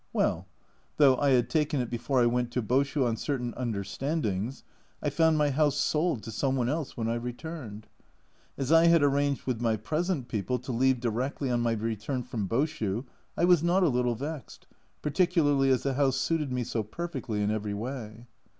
Well ! though I had taken it before I went to Boshu on certain understandings, I found my house sold to some one else when I returned ! As I had arranged with my present people to leave directly on my return from Boshu, I was not a little vexed, par ticularly as the house suited me so perfectly in every way.